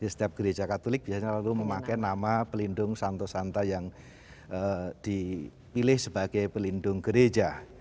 setiap gereja katolik biasanya lalu memakai nama pelindung santo santa yang dipilih sebagai pelindung gereja